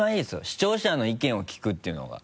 視聴者の意見を聞くっていうのが。